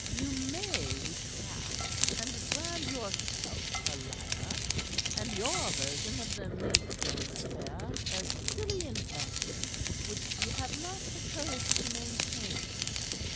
You may retract, and brand yourself a liar and your version of the Maidstone affair a silly invention which ye have not the courage to maintain.